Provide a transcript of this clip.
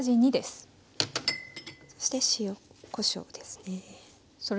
そして塩・こしょうですね。